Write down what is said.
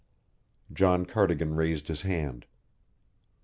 John Cardigan raised his hand.